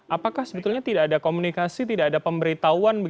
apakah sebetulnya tidak ada komunikasi tidak ada pemberitahuan